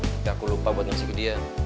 tapi aku lupa buat ngasih ke dia